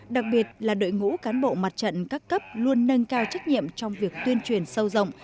đặc biệt là đội ngũ cán bộ mặt trận các cấp luôn nâng cao trách nhiệm trong việc tuyên truyền sâu rộng